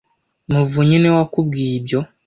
muvunyi niwe wakubwiye ibyo?